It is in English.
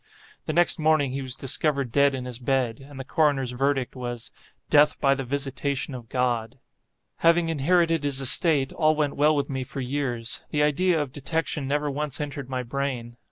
The next morning he was discovered dead in his bed, and the coroner's verdict was—"Death by the visitation of God." Having inherited his estate, all went well with me for years. The idea of detection never once entered my brain.